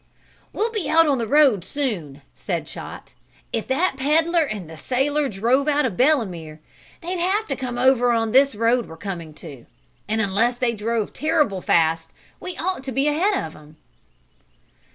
"We'll be out on the road soon," said Chot. "If that peddler and the sailor drove out of Belemere they'd have to come over on this road we're coming to. And unless they drove terrible fast we ought to be ahead of 'em."